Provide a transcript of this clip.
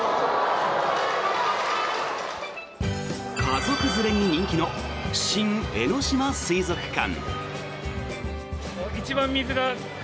家族連れに人気の新江ノ島水族館。